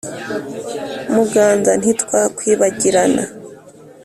muganza ntitwakwibagirana